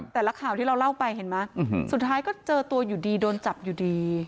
แต่ละข่าวที่เราเล่าไปเห็นไหมสุดท้ายก็เจอตัวอยู่ดีโดนจับอยู่ดี